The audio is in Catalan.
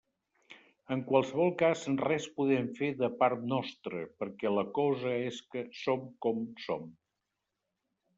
En qualsevol cas res podem fer de part nostra, perquè la cosa és que som com som.